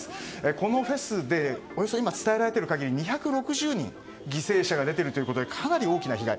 このフェスで伝えられている限りおよそ２６０人の犠牲者が出ているということでかなり大きな被害。